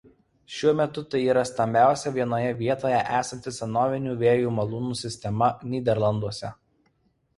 Šiuo metu tai yra stambiausia vienoje vietoje esanti senovinių vėjo malūnų sistema Nyderlanduose.